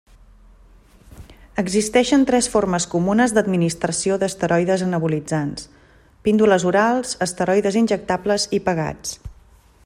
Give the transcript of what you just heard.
Existeixen tres formes comunes d'administració d'esteroides anabolitzants: píndoles orals, esteroides injectables i pegats.